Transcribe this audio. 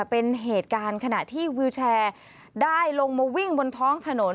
เป็นเหตุการณ์ขณะที่วิวแชร์ได้ลงมาวิ่งบนท้องถนน